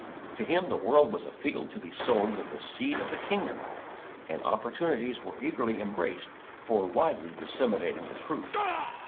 To him the world was a field to be sown with the seed of the Kingdom, and opportunities were eagerly embraced for widely disseminating the truth.